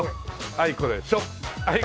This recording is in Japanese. あいこでしょ！